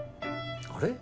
あれ？